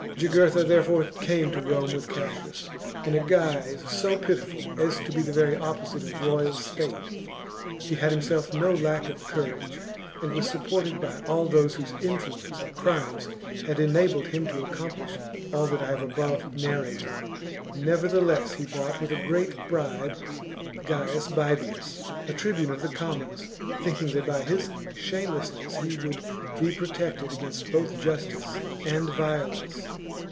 Jugurtha therefore came to Rome with Cassius, in chap. XXXIII a guise so pitiful as to be the very opposite of royal state. He had himself no lack of courage, and was supported by all those whose influence or crimes had enabled him to accomplish all that I have above nar rated. Nevertheless, he bought with a great bribe Gaius Baebius, a tribune of the commons, thinking that by his shamelessness he would be protected against both justice and violence.